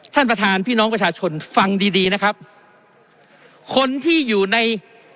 ท่านประธานพี่น้องประชาชนฟังดีดีนะครับคนที่อยู่ใน